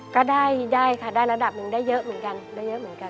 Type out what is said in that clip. ก็ได้ได้ค่ะได้ระดับหนึ่งได้เยอะเหมือนกัน